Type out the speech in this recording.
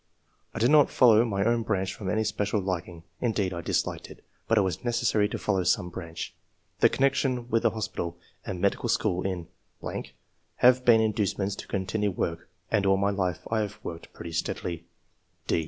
I did not follow my own branch from any special liking — mdeed, I disliked it ; but it was .necessary to follow some branch. The connection with an hospital and medical school in .... have been inducements to continue work, and all my life I have worked pretty steadily.''